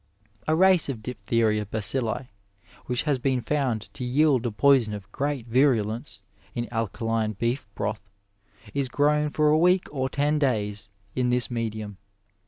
A race of diphtheria bacilli, which has been found to yield a poison of great virulence in alkaline beef broth, is grown for a week or ten days in this medium.